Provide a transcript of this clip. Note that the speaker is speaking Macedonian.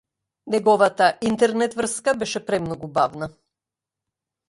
Неговата интернет-врска беше премногу бавна.